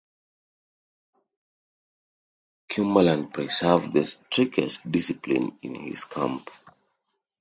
Cumberland preserved the strictest discipline in his camp.